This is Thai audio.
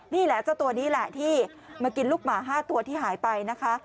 นี่แหละเจ้าตัวนี้แหละที่มากินลูกหมา๕ตัวที่หายไปนะคะ